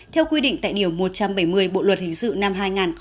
theo quy định tại điều một trăm bảy mươi bộ luật hình sự năm hai nghìn một mươi năm